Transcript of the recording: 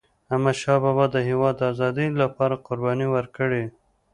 احمدشاه بابا د هیواد د آزادی لپاره قربانۍ ورکړي.